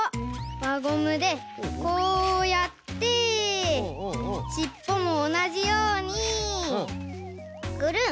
わゴムでこうやってしっぽもおなじようにグルン。